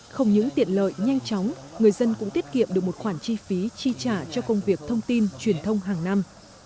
không những tiện lợi nhanh chóng người dân cũng tiết kiệm được một khoản chi phí chi trả cho công việc thông tin truyền thông hàng năm